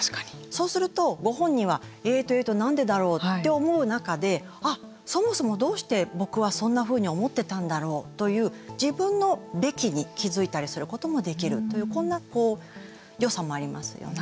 そうすると、ご本人はえーとえーとなんでだろうって思う中でそもそも、どうして僕はそんなふうに思ってたんだろうという自分の「べき」に気付いたりすることもできるというこんな良さもありますよね。